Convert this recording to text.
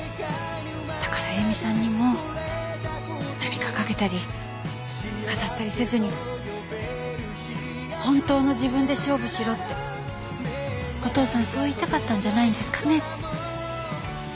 だから映見さんにも何かかけたり飾ったりせずに本当の自分で勝負しろってお父さんそう言いたかったんじゃないんですかね？